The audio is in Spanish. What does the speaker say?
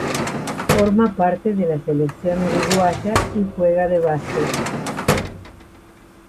Forma parte de la selección Uruguaya y juega de base.